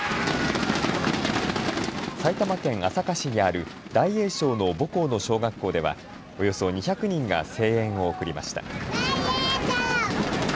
埼玉県朝霞市にある大栄翔の母校の小学校ではおよそ２００人が声援を送りました。